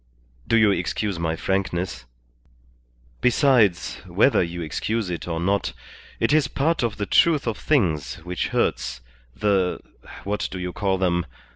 Do you excuse my frankness? Besides, whether you excuse it or not, it is part of the truth of things which hurts the what do you call them?